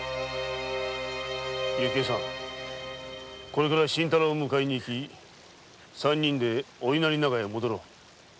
これから新太郎を迎えに行き三人でお稲荷長屋へ戻ろう。